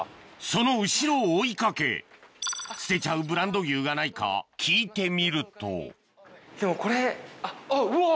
その後ろを追い掛け捨てちゃうブランド牛がないか聞いてみるとでもこれあっうわ！